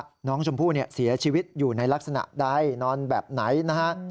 น้องชมพู่เสียชีวิตอยู่ในลักษณะใดนอนแบบไหนนะฮะ